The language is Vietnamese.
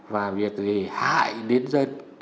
và việc gì hại đến dân